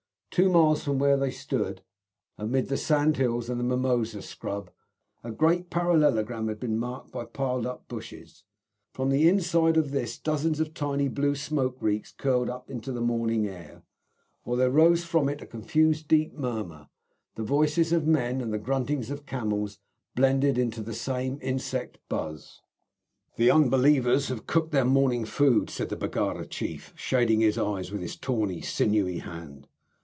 Two miles from where they stood, amid the sand hills and the mimosa scrub, a great parallelogram had been marked by piled up bushes. From the inside of this dozens of tiny blue smoke reeks curled up into the still morning air; while there rose from it a confused deep murmur, the voices of men and the gruntings of camels blended into the same insect buzz. "The unbelievers have cooked their morning food," said the Baggara chief, shading his eyes with his tawny, sinewy hand.